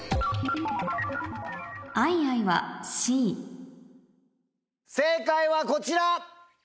アイアイは正解はこちら！